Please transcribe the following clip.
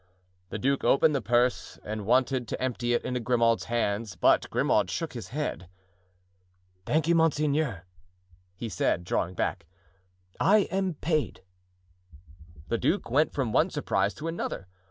The duke opened the purse and wanted to empty it into Grimaud's hands, but Grimaud shook his head. "Thank you, monseigneur," he said, drawing back; "I am paid." The duke went from one surprise to another.